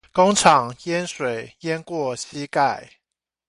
工廠淹水淹過膝蓋